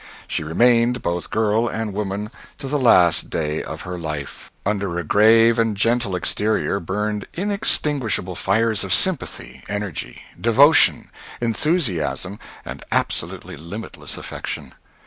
She remained both girl and woman to the last day of her life. Under a grave and gentle exterior burned inextinguishable fires of sympathy, energy, devotion, enthusiasm, and absolutely limitless affection.